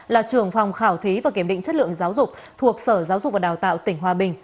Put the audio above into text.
là trường phòng khảo thí và kiểm định chất lượng giáo dục thuộc sở giáo dục và đào tạo tỉnh hòa bình